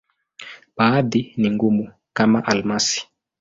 Baadhi ni ngumu, kama almasi.